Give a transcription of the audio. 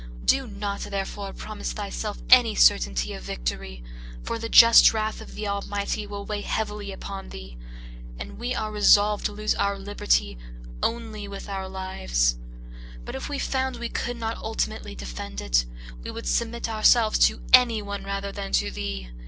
Do not, therefore, promise thyself any certainty of victory; for the just wrath of the Almighty will weigh heavily upon thee; and we are resolved to lose our liberty only with our lives; but if we found we could not ultimately defend it, we would submit ourselves to anyone rather than to thee.